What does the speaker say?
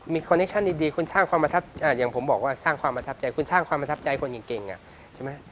มีคอนเน็กชั่นดีคุณสร้างความอย่างผมบอกว่าสร้างความอธับใจคุณสร้างความอธับใจคนเก่งอ่ะใช่ไหมฮะ